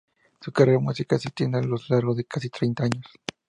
Su carrera musical se extiende a lo largo de casi treinta años.